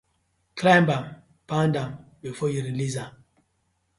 Climb am, pound am befor yu release am.